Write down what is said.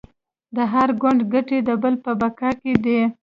د هر ګوند ګټې د بل په بقا کې دي